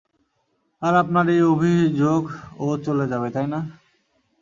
আর আপনার এই অভিযোগ ও চলে যাবে, তাই না?